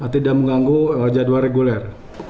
tidak mengganggu jadwal reguler